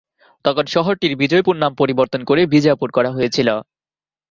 তখন শহরটির বিজয়পুর নাম পরিবর্তন করে বিজাপুর করা হয়েছিল।